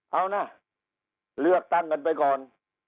เอานะเลือกตั้งกันไปก่อน